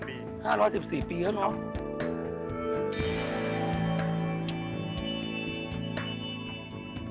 ๕๑๔ปีแล้วเหรอ